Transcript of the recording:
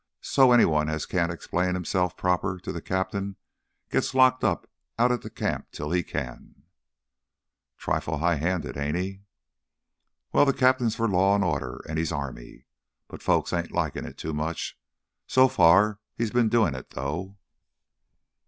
So anyone as can't explain hisself proper to th' cap'n gits locked up out at camp till he can—" "Trifle highhanded, ain't he?" "Well, th' cap'n's for law an' order, an' he's army. But folks ain't likin' it too much. So far he's been doin' it though."